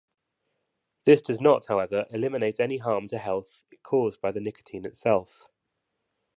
This does not, however, eliminate any harm to health caused by the nicotine itself.